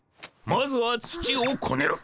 まずは土をこねる。